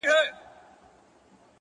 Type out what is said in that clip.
• چي يې زړونه سوري كول د سركښانو,